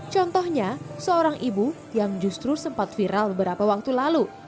contohnya seorang ibu yang justru sempat viral beberapa waktu lalu